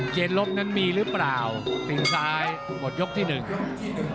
เจนลบนั้นมีหรือเปล่าตีนซ้ายหมดยกที่หนึ่ง